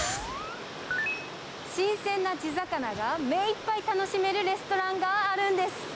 新鮮な地魚が目いっぱい楽しめるレストランがあるんです。